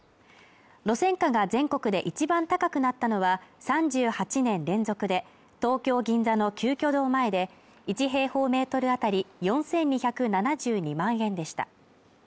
路線価が全国で一番高くなったのは３８年連続で東京銀座の鳩居堂前で、１平方メートル当たり４２７２万円でした。